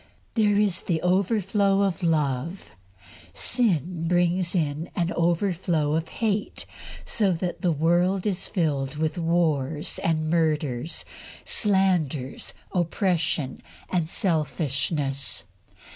There is an overflow of love. Sin brings in an overflow of hate, so that the world is filled with wars and murders, slanders, oppression, and selfishness.